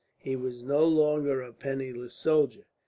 He was no longer a penniless soldier.